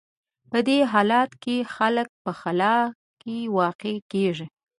په دې حالت کې خلک په خلا کې واقع کېږي.